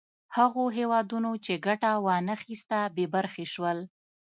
هغو هېوادونو چې ګټه وا نه خیسته بې برخې شول.